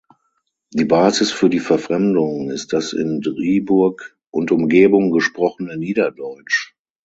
Die Basis für die Verfremdung ist das in Driburg und Umgebung gesprochene Niederdeutsch.